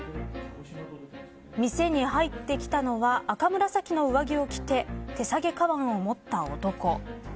店に入ってきたのは赤紫の上着を着て手提げかばんを持った男。